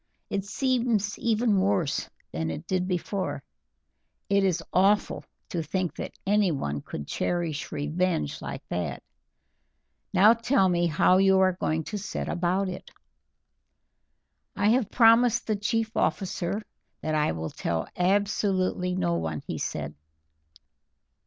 It seems even worse than it did before; it is awful to think that anyone could cherish revenge like that. Now tell me how you are going to set about it." "I have promised the chief officer that I will tell absolutely no one," he said.